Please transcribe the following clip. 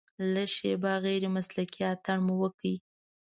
لږه شېبه غیر مسلکي اتڼ مو وکړ.